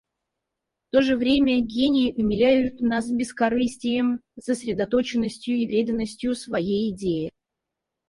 В то же время гении умиляют нас бескорыстием, сосредоточенностью и преданностью своей идее.